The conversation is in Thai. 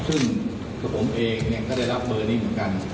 ซึ่งผมเองก็ได้รับเบอร์นี้เหมือนกัน